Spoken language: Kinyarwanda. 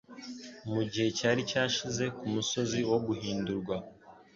Mu gihe cyari cyashize, ku musozi wo guhindurwa,